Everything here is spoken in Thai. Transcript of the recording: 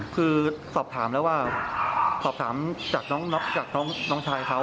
คือสอบถามแล้วว่าสอบถามจากน้องชายเขา